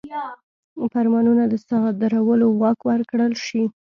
فرمانونو د صادرولو واک ورکړل شي.